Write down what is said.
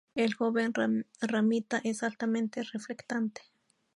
El joven ramita es altamente reflectante.